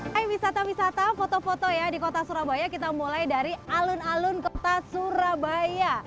hai wisata wisata foto foto ya di kota surabaya kita mulai dari alun alun kota surabaya